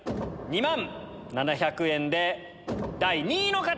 ２万７００円で第２位の方！